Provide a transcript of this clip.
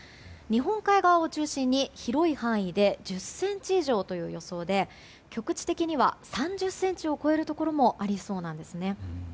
日本海側を中心に広い範囲で１０ｃｍ以上という予想で局地的には３０ｃｍを超えるところもありそうです。